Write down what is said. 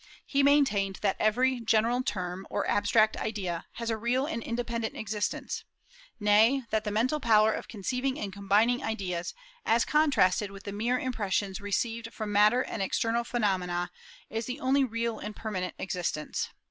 He maintained that every general term, or abstract idea, has a real and independent existence; nay, that the mental power of conceiving and combining ideas, as contrasted with the mere impressions received from matter and external phenomena, is the only real and permanent existence.